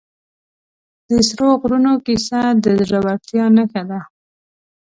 د سرو غرونو کیسه د زړه ورتیا نښه ده.